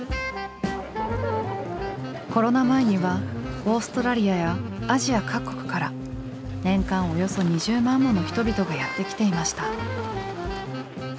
コロナ前にはオーストラリアやアジア各国から年間およそ２０万もの人々がやって来ていました。